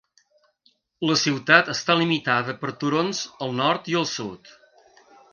La ciutat està limitada per turons al nord i al sud.